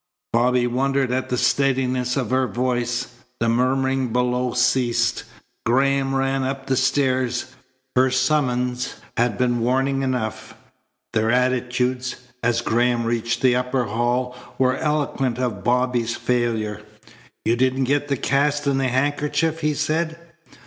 Bobby wondered at the steadiness of her voice. The murmuring below ceased. Graham ran up the stairs. Her summons had been warning enough. Their attitudes, as Graham reached the upper hall, were eloquent of Bobby's failure. "You didn't get the cast and the handkerchief?" he said.